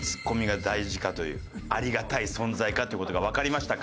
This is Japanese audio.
ありがたい存在かっていう事がわかりましたか？